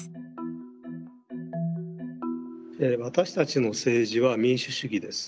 私たちの政治は民主主義です。